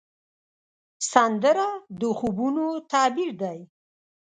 سندره د خوبونو تعبیر دی